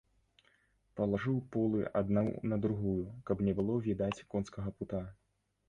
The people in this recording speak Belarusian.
Палажыў полы адну на другую, каб не было відаць конскага пута.